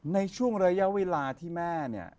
ในช่วงระยะเวลาที่แม่